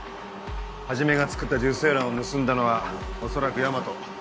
始がつくった受精卵を盗んだのはおそらく大和。